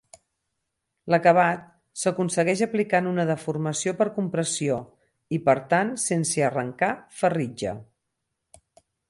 L'acabat s'aconsegueix aplicant una deformació per compressió, i per tant sense arrencar ferritja.